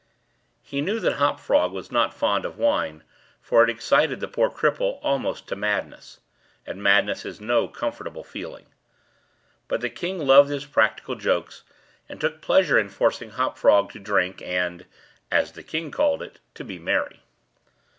He knew that Hop Frog was not fond of wine, for it excited the poor cripple almost to madness; and madness is no comfortable feeling. But the king loved his practical jokes, and took pleasure in forcing Hop Frog to drink and (as the king called it) "to be merry."